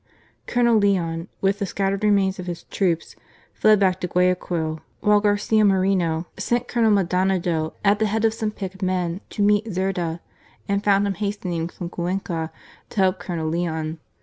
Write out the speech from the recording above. Colonel Leon 90 GARCIA MORENO, with the scattered remains of his troops fled back to Guayaquil ; while Garcia Moreno sent Colonel Maldonado at the head of some picked men to meet Zerda, and found him hastening from Cuenca to help Colonel Leon.